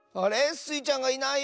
スイちゃんがいないよ！